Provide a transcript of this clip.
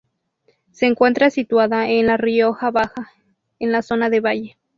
Se encuentra situada en la Rioja Baja, en la zona de Valle.